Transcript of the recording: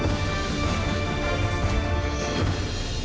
โปรดติดตามตอนต่อไป